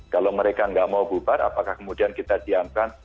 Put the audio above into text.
kalau mereka nggak mau bubar apakah kemudian kita diamkan